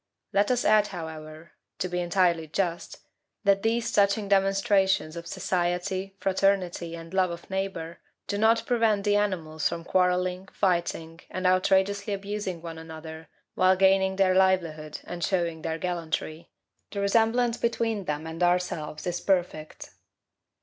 Let us add, however, to be entirely just that these touching demonstrations of society, fraternity, and love of neighbor, do not prevent the animals from quarrelling, fighting, and outrageously abusing one another while gaining their livelihood and showing their gallantry; the resemblance between them and ourselves is perfect.